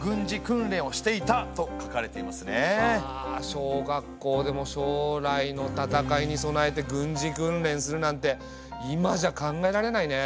小学校でも将来の戦いに備えて軍事訓練するなんて今じゃ考えられないね。